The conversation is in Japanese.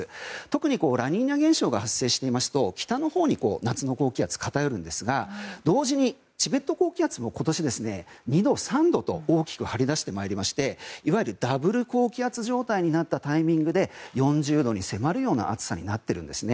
特にラニーニャ現象が発生していますと北のほうに夏の高気圧が偏りますが同時に、チベット高気圧も今年２度、３度と大きく張り出してまいりましていわゆるダブル高気圧状態になったタイミングで４０度に迫る暑さになっています。